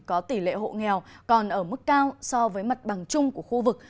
có tỷ lệ hộ nghèo còn ở mức cao so với mặt bằng chung của khu vực